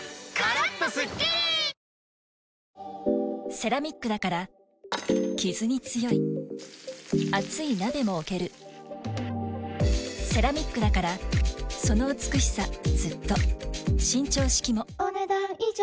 セラミックだからキズに強い熱い鍋も置けるセラミックだからその美しさずっと伸長式もお、ねだん以上。